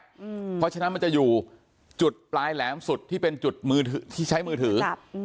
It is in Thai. เพราะฉะนั้นมันจะอยู่จุดปลายแหลมสุดที่เป็นจุดมือที่ใช้มือถือ